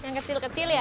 yang kecil kecil ya